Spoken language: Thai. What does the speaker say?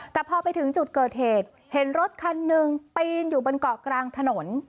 แต่พอไปถึงจุดเกิดเหตุเห็นรถคันหนึ่งปีนอยู่บนเกาะกลางถนน